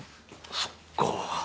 そっか。